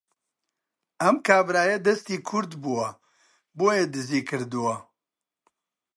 ئەم کابرایە دەستی کورت بووە بۆیە دزی کردووە